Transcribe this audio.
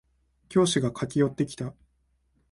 教師が駆け寄ってきた。